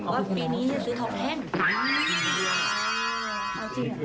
วันพอวันนี้มีสไพร์อะไรกันไหมค่ะ